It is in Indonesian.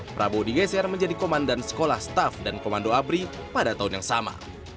prabowo digeser menjadi komandan sekolah staff dan komando apri pada tahun yang sama